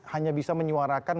hanya bisa menyuarakan